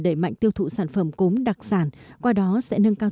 đẩy mạnh tiêu thụ sản phẩm cốm đặc sản qua đó sẽ nâng cao